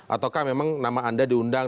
ataukah memang nama anda diundang